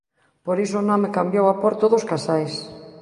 Por iso o nome cambiou a Porto dos Casais.